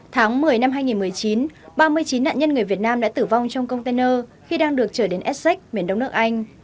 tháng một mươi năm hai nghìn một mươi chín ba mươi chín nạn nhân người việt nam đã tử vong trong container khi đang được trở đến essex miền đông nước anh